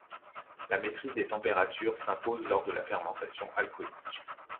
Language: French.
La maîtrise des températures s'impose lors de la fermentation alcoolique.